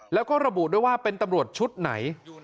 แล้วก็ระบุด้วยว่าเป็นตำรวจชุดไหน